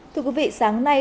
thưa quý vị sáng nay